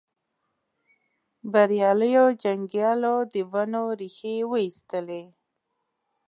بریالیو جنګیالیو د ونو ریښې وایستلې.